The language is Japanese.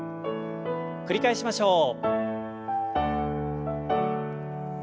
繰り返しましょう。